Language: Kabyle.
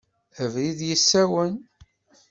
Abrid yessawen.